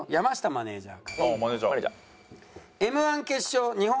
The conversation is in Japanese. マネジャー。